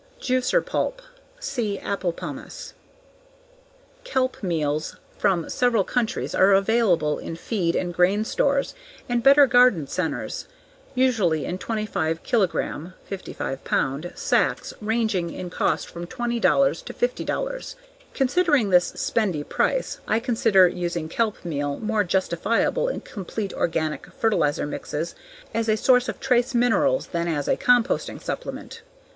Juicer pulp: See Apple pomace. Kelp meals from several countries are available in feed and grain stores and better garden centers, usually in 25 kg (55 pound) sacks ranging in cost from $20 to $50. Considering this spendy price, I consider using kelp meal more justifiable in complete organic fertilizer mixes as a source of trace minerals than as a composting supplement.